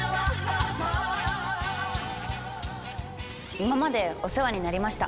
今までお世話になりました。